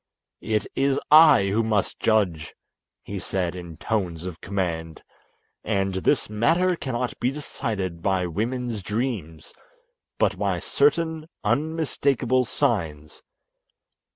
"It is I who must judge," he said in tones of command; "and this matter cannot be decided by women's dreams, but by certain unmistakable signs.